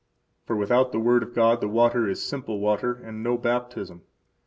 For without the word of God the water is simple water and no baptism.